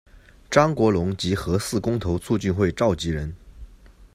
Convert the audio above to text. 张国龙及核四公投促进会召集人。